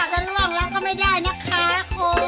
ครกจ้าฉันลองแล้วก็ไม่ได้นะคะครับ